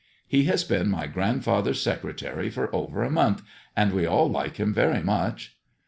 He has been my grandfather's secretary for over a month, and we all like him very much."